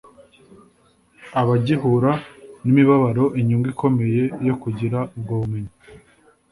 abagihura n'imibabaro inyungu ikomeye yo kugira ubwo bumenyi